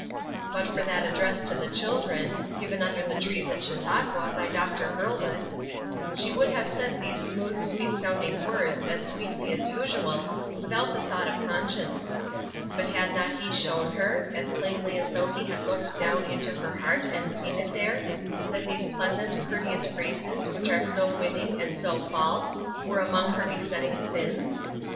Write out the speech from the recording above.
But for that address to the children, given under the trees at Chautauqua, by Dr. Hurlbut, she would have said these smooth, sweet sounding words as sweetly as usual, without a thought of conscience. But had not he shown her, as plainly as though he had looked down into her heart and seen it there, that these pleasant, courteous phrases which are so winning and so false were among her besetting sins?